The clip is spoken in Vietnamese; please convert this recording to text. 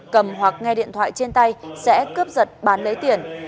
cầm hoặc nghe điện thoại trên tay sẽ cướp giật bán lấy tiền